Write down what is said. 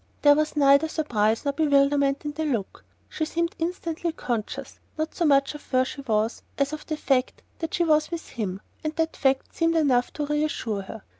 There was neither surprise nor bewilderment in the look. She seemed instantly conscious, not so much of where she was, as of the fact that she was with him; and that fact seemed enough to reassure her.